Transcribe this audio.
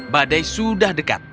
badai sudah dekat